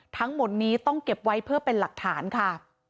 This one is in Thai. ทั้งหมดนี้ต้องเก็บไว้เพื่อเป็นหลักฐานค่ะ